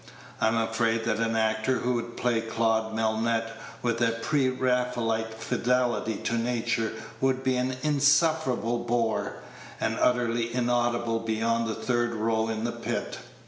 I'm afraid that an actor who would play Claude Melnotte with a pre Raphaelite fidelity to nature would be an insufferable bore, and utterly inaudible beyond the third row in the pit.